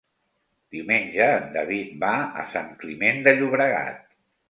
Diumenge en David va a Sant Climent de Llobregat.